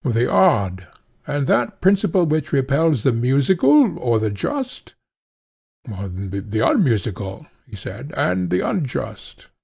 The odd. And that principle which repels the musical, or the just? The unmusical, he said, and the unjust.